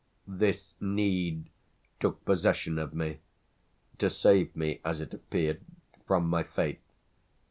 This need took possession of me to save me, as it appeared, from my fate.